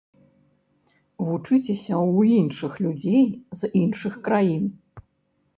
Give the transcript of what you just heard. Вучыцеся ў іншых людзей з іншых краін.